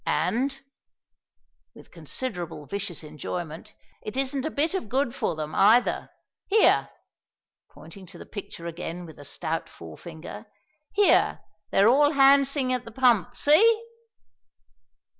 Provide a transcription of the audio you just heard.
And" with considerable vicious enjoyment "it isn't a bit of good for them, either. Here" pointing to the picture again with a stout forefinger "here they're 'all handsing' at the pump. See?"